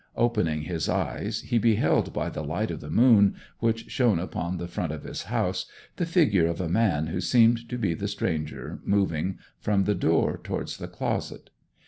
Opening his eyes, he beheld by the light of the moon, which shone upon the front of his house, the figure of a man who seemed to be the stranger moving from the door towards the closet.